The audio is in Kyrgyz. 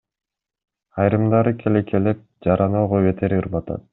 Айрымдары келекелеп, жараны ого бетер ырбатат.